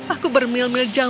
aku bermilmil jauhnya